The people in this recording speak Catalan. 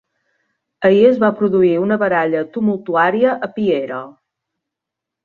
Ahir es va produir una baralla tumultuària a Piera.